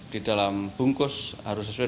di dalam bungkus harus sesuai